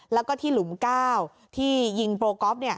แล้วก็ที่หลุม๙ที่ยิงโปรก๊อฟ